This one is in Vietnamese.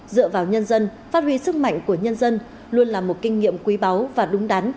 dựa vào nhân dân phát huy sức mạnh của nhân dân luôn là một kinh nghiệm quý báu và đúng đắn